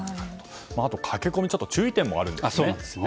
あと駆け込みは注意点もあるんですね。